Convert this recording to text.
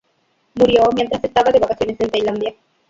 Murió mientras estaba de vacaciones en Tailandia.